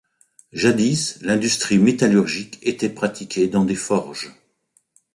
Jadis, l'industrie métallurgique était pratiquée dans des forges.